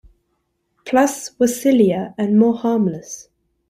Plus we're sillier and more harmless.